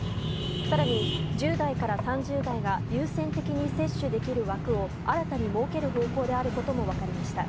更に、１０代から３０代が優先的に接種できる枠を新たに設ける方向であることも分かりました。